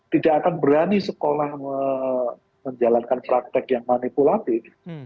tidak akan berani sekolah menjalankan praktek yang manipulatif